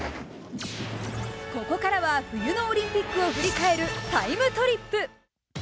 ここからは冬のオリンピックを振り返る「タイムトリップ」。